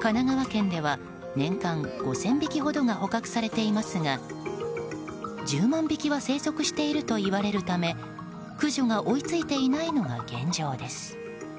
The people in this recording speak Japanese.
神奈川県では年間５０００匹ほどが捕獲されていますが１０万匹は生息しているといわれるため、駆除が追いついていないのが現状です。